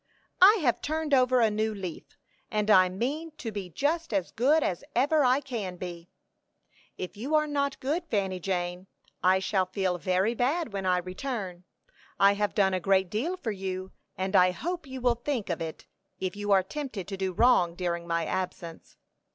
"I have turned over a new leaf, and I mean to be just as good as ever I can be." "If you are not good, Fanny Jane, I shall feel very bad when I return. I have done a great deal for you, and I hope you will think of it if you are tempted to do wrong during my absence.